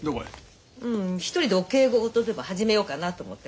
うん１人でお稽古事でも始めようかなと思って。